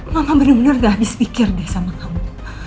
mama bener bener udah habis pikir deh sama kamu